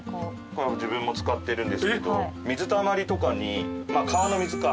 自分も使ってるんですけど水たまりとかに川の水か。